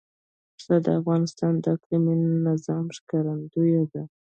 پسه د افغانستان د اقلیمي نظام ښکارندوی ده.